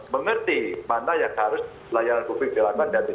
mengerti mana yang harus layanan publik dilakukan